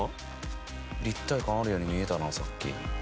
立体感あるように見えたなさっき。